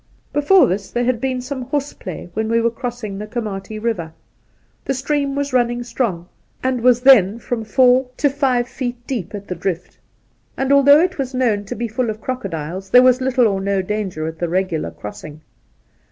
Before this there had been some horseplay when we were crossing the Komatie Eiver. The stream was running strong, and was then from four to five 4 . 50 Soltke feet deep at the drift ; and, although it was known to be full of crocodiles, there was little or no danger at the regular crqssing.